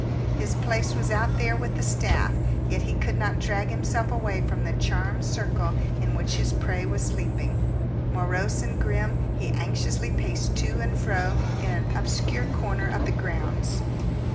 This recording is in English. His place was out there with the staff. Yet he could not drag himself away from the charmed circle in which his prey was sleeping. Morose and grim, he anxiously paced to and fro in an obscure corner of the grounds.